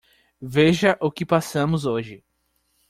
Veja o que passamos hoje.